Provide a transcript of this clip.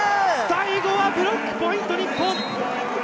最後はブロックポイント、日本。